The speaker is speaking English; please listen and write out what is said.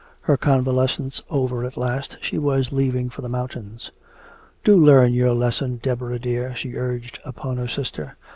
Her convalescence over at last, she was leaving for the mountains. "Do learn your lesson, Deborah dear," she urged upon her sister.